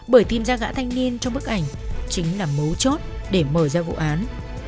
bởi tìm ra gã thanh niên trong bức ảnh chính là mấu chốt để mở ra vụ án